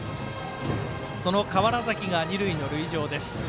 その川原崎が二塁の塁上です。